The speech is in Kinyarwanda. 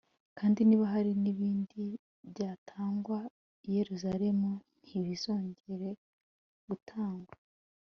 kandi niba hari n'ibindi byatangwaga i yeruzalemu, ntibizongere gutangwa